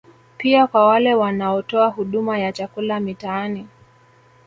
Pia kwa wale wanaotoa huduma ya chakula mitaani